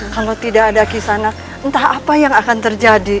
kalau tidak ada kisah entah apa yang akan terjadi